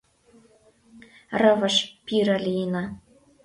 Рывыж, пире лийына.